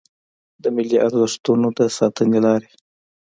د ملي ارزښتونو د ساتنې لارې